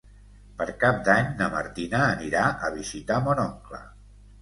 Per Cap d'Any na Martina anirà a visitar mon oncle.